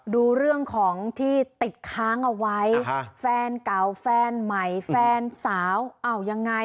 ดูเรื่องของที่ติดค้างเอาไว้แฟนเก่าแฟนใหม่แฟนสาวเอายังไง